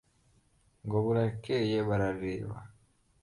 Ngo burakeye barareba